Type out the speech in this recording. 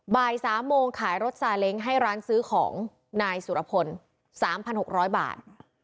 บ่าย๓โมงขายรถซาเล้งให้ร้านซื้อของนายสุรพล๓๖๐๐บาท